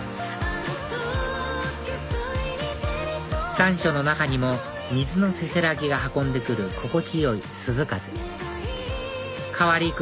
残暑の中にも水のせせらぎが運んでくる心地よい涼風変わりゆく